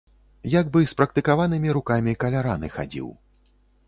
Як бы спрактыкаванымі рукамі каля раны хадзіў.